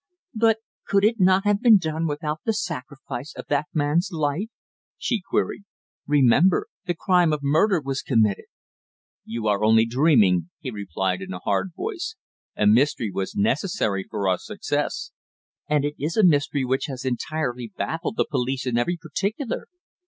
"But could it not have been done without the sacrifice of that man's life?" she queried. "Remember! The crime of murder was committed." "You are only dreaming!" he replied, in a hard voice. "A mystery was necessary for our success." "And it is a mystery which has entirely baffled the police in every particular."